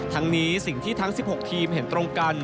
ทั้งนี้สิ่งที่ทั้ง๑๖ทีมเห็นตรงกัน